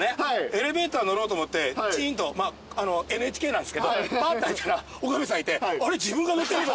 エレベーター乗ろうと思ってチーンとまあＮＨＫなんですけどパーって開いたら岡部さんいてあれ。